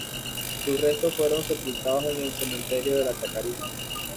Sus restos fueron sepultados en el cementerio de la Chacarita.